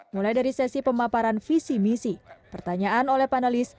mulai dari sesi pemaparan visi misi pertanyaan oleh panelis